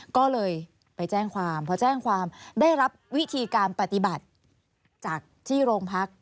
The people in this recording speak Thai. ก็เลยไปแจ้งความพอแจ้งความได้รับวิธีการปฏิบัติจากที่โรงพัก